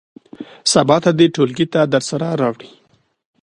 سبا ته دې ټولګي ته درسره راوړي.